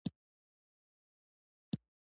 د ضایعاتو مخه ډب شي.